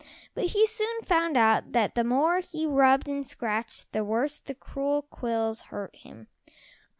But he soon found out that the more he rubbed and scratched, the worse the cruel quills hurt him.